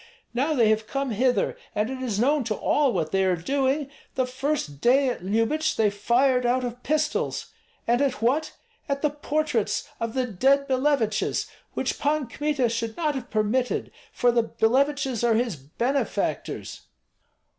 Now they have come hither, and it is known to all what they are doing. The first day at Lyubich they fired out of pistols, and at what? at the portraits of the dead Billeviches, which Pan Kmita should not have permitted, for the Billeviches are his benefactors."